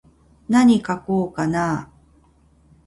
なに書こうかなー。